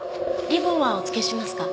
リボンはお付けしますか？